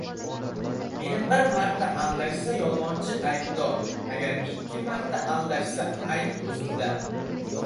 • Meni bir marta aldashsa, yolg‘onchi aybdor; agar ikki marta aldashsa, ayb o‘zimda.